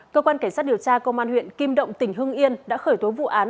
cơ quan cảnh sát điều tra công an huyện kim động tỉnh hưng yên đã khởi tố vụ án